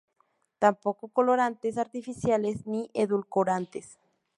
Tampoco colorantes artificiales, ni edulcorantes.